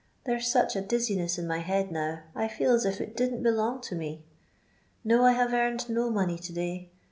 There 'r such a diz lineu in my head now, I feel as If it didn't belong to me. No, I have earned no money to day.